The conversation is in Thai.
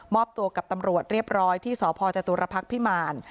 อบตัวกับตำรวจเรียบร้อยที่สพจตุรพักษ์พิมาร